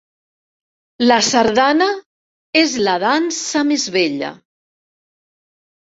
La sardana és la dansa més bella...